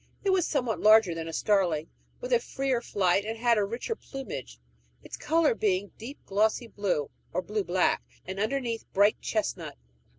It was somewhat larger than a starling, with a freer flight, and had a richer plumage, its color being deep glossy blue, or blue black, and underneath bright chestnut.